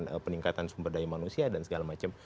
dengan peningkatan sumber daya manusia dan segala macam